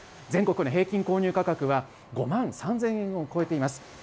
全国の平均購入価格は５万３０００円を超えています。